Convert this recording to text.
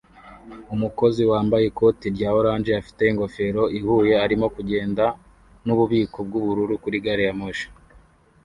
Umukozi wambaye ikoti rya orange afite ingofero ihuye arimo kugenda nububiko bwubururu kuri gariyamoshi